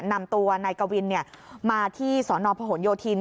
นำตัวนายกวินมาที่สนพหนโยธิน